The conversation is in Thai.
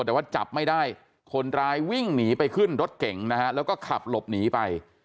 แต่ว่าจับไม่ได้คนร้ายวิ่งหนีไปขึ้นรถเก่งนะฮะแล้วก็ขับหลบหนีไป